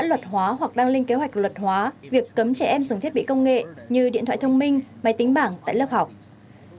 luật hóa hoặc đang lên kế hoạch luật hóa việc cấm trẻ em dùng thiết bị công nghệ như điện thoại thông minh máy tính bảng tại lớp học